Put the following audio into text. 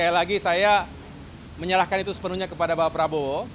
ah ya sekali lagi saya menyalahkan itu sepenuhnya kepada bapak prabowo